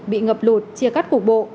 bị ngập lột chia cắt cục bộ